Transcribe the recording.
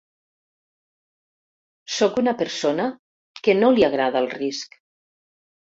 Soc una persona que no li agrada el risc.